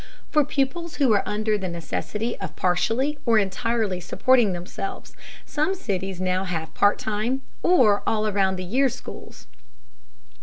For pupils who are under the necessity of partially or entirely supporting themselves, some cities now have part time or all around the year schools.